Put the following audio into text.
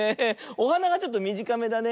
おはながちょっとみじかめだね。